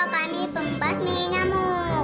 kami pembas minyamuk